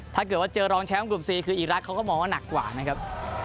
ถ้าเกิดว่าเจอรองแชมป์กลุ่ม๔คืออีรักษ์เขาก็มองว่าหนักกว่านะครับ